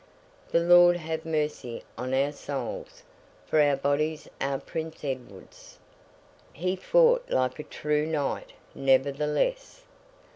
The Lord have mercy on our souls, for our bodies are Prince Edward's!' He fought like a true Knight, nevertheless.